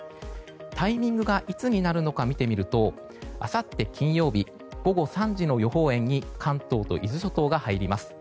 タイミングがいつになるのか見てみるとあさって金曜日午後３時の予報円に関東と伊豆諸島が入ります。